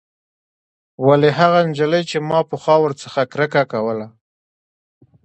ولې هغه نجلۍ چې ما پخوا ورڅخه کرکه کوله.